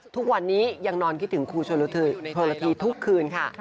ทุกวันนี้ยังนอนคิดถึงครูชนละทีทุกคืนค่ะ